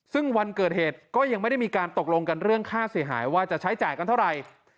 ซึ่งวันเกิดเหตุก็ยังไม่ได้มีการตกลงกันเรื่องค่าเสียหายว่าจะใช้จ่ายกันเท่าไหร่